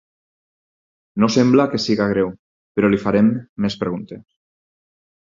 No sembla que sigui greu, però li farem més preguntes.